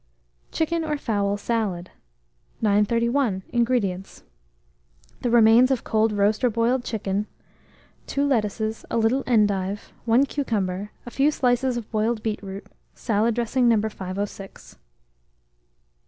CHICKEN OR FOWL SALAD. 931. INGREDIENTS. The remains of cold roast or boiled chicken, 2 lettuces, a little endive, 1 cucumber, a few slices of boiled beetroot, salad dressing No. 506.